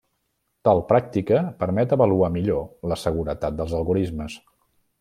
Tal pràctica permet avaluar millor la seguretat dels algorismes.